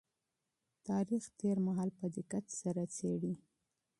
تاريخ تېر مهال په دقت سره څېړي.